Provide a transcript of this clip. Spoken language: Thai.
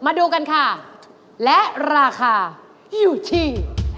มาดูกันค่ะและราคาอยู่ที่